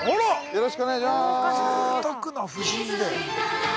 ◆よろしくお願いします。